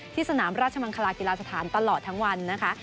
สนามราชมังคลากีฬาสถานตลอดทั้งวันนะคะ